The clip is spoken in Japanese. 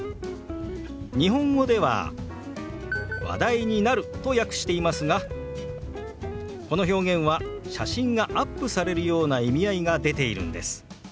日本語では「話題になる」と訳していますがこの表現は写真がアップされるような意味合いが出ているんです。